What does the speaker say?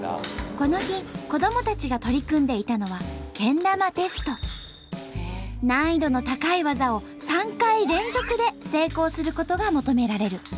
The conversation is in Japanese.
この日子どもたちが取り組んでいたのは難易度の高い技を３回連続で成功することが求められる。